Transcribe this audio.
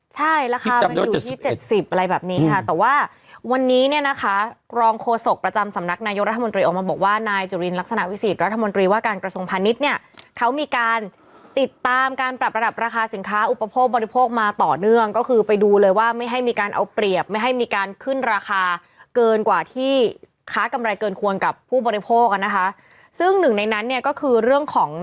ใช่ราคามันอยู่ที่เจ็ดสิบอะไรแบบนี้ค่ะแต่ว่าวันนี้เนี้ยนะคะรองโฆษกประจำสำนักนายโรธมนตรีออกมาบอกว่านายจุลินลักษณะวิสิทธิ์รัฐมนตรีว่าการกระทรงพาณิชย์เนี้ยเขามีการติดตามการปรับระดับราคาสินค้าอุปโภคบริโภคมาต่อเนื่องก็คือไปดูเลยว่าไม่ให้มีการเอาเปรียบไม่ให้มีการขึ